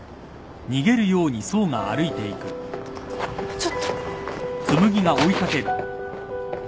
ちょっと。